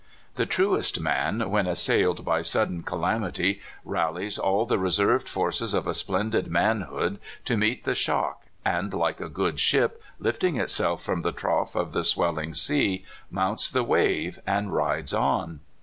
The truest man, when assailed by sudden calam ity, rallies all the reserved forces of a splendid manhood to meet the shock, and, like a good ship, lifting itself from the trough of the swelling sea, mounts the wave and rides on.